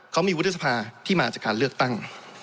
เขามีวุฒิสภาที่มาจากการเลือกตั้ง